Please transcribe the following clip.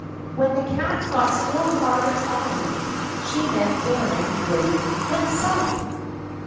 When the Cat got still farther on, she met Baron Bruin himself.